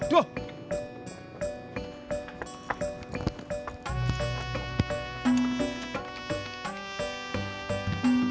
beberapa band right